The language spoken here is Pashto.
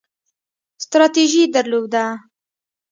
ستراتیژي درلوده